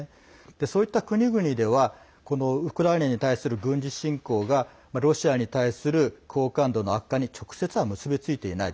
そういった国々ではウクライナに対する軍事侵攻がロシアに対する好感度の悪化に直接は結び付いていない。